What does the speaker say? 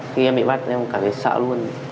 khi em bị bắt em cảm thấy sợ luôn